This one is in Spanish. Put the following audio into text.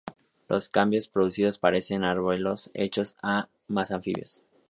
Los cambios producidos parecen haberlos hecho más anfibios.